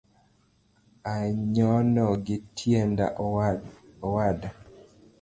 Anyono gi tienda owada